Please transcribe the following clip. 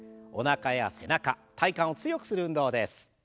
おなかや背中体幹を強くする運動です。